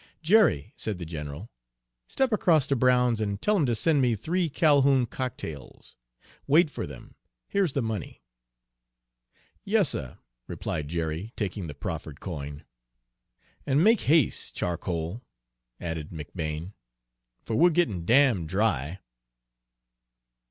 "Jerry," said the general, "step across to Brown's and tell him to send me three Calhoun cocktails. Wait for them, here's the money." "Yas, suh," replied Jerry, taking the proffered coin. "And make has'e, charcoal," added McBane, "for we're gettin' damn dry."